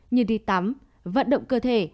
như đi tắm vận động cơ thể